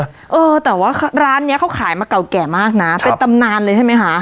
เออแต่ว่าร้านเนี้ยเขาขายมาเก่าแก่มากนะเป็นตำนานเลยใช่ไหมคะ